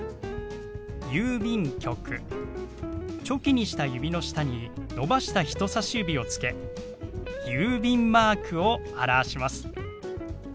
チョキにした指の下に伸ばした人さし指をつけ「郵便マーク」を表します。